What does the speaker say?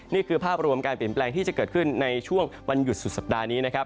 นี่คือภาพรวมการเปลี่ยนแปลงที่จะเกิดขึ้นในช่วงวันหยุดสุดสัปดาห์นี้นะครับ